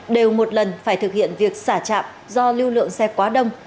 đều một lần phải thực hiện việc xả trạm do lưu lượng xe quá đông